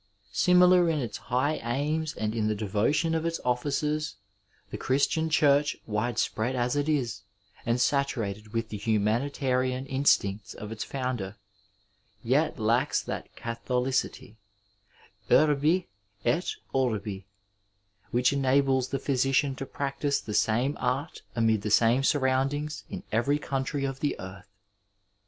Similar in its high aims and in the devotion of its officers, the Giristian Church, widespread as it is, tad saturated with the humanitarian instincts of its Founder, yet lacks that catiiohcity — urhi et orbi — ^which enables the phyBi<»an to practise tiie same art amid the same surroundings in every country of the earth.